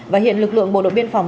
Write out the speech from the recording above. và hiện lực lượng bộ đội biên phòng